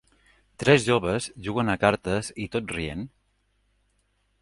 Tres joves juguen a cartes i tot rient.